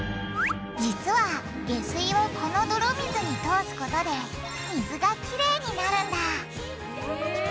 実は下水をこの泥水に通すことで水がキレイになるんだ！